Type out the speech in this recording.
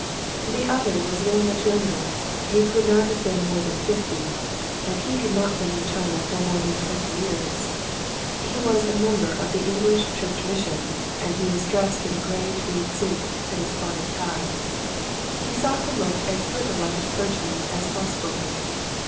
The other was very much younger, he could not have been more than fifty, and he had not been in China for more than twenty years. He was a member of the English Church Mission and he was dressed in a grey tweed suit and a spotted tie. He sought to look as little like a clergyman as pos sible.